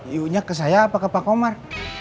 yu nya ke saya apa ke pak komar